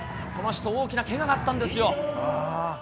この人、大きなけががあったんですよ。